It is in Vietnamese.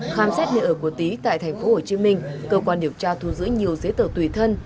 khám xét nơi ở của tý tại thành phố hồ chí minh cơ quan điều tra thu giữ nhiều giấy tờ tùy thân